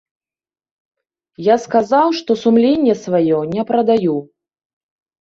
Я сказаў, што сумленне сваё не прадаю.